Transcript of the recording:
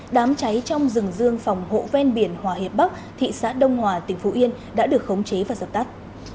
đám cháy trong rừng dương phòng hộ ven biển hòa hiệp bắc thị xã đông hòa tỉnh phú yên đã được khống chế và dập tắt